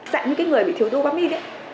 dạng như cái người bị thiếu dopamine ấy